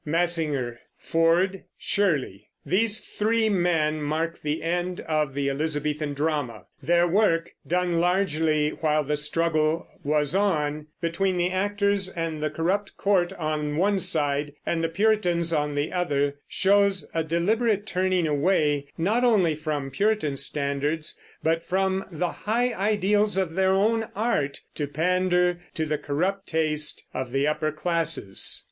MASSINGER, FORD, SHIRLEY. These three men mark the end of the Elizabethan drama. Their work, done largely while the struggle was on between the actors and the corrupt court, on one side, and the Puritans on the other, shows a deliberate turning away not only from Puritan standards but from the high ideals of their own art to pander to the corrupt taste of the upper classes.